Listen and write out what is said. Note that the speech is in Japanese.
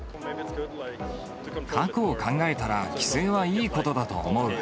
過去を考えたら規制はいいことだと思う。